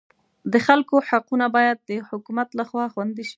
د خلکو حقونه باید د حکومت لخوا خوندي شي.